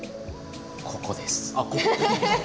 ここです。